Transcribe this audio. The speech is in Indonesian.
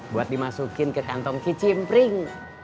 buat dimasukin ke kantong kicimpring